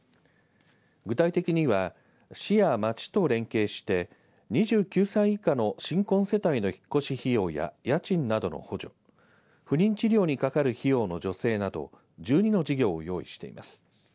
具体的には市や町と連携して２９歳以下の新婚世帯の引っ越し費用や家賃などの補助不妊治療にかかる費用の助成など１２の事業を用意しています。